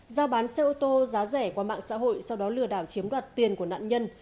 giao bán xe ô tô giá rẻ qua mạng xã hội sau đó lừa đảo chiếm đoạt tiền của nạn nhân